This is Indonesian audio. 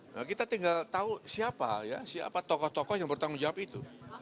nah kita tinggal tahu siapa ya siapa tokoh tokoh yang bertanggung jawab itu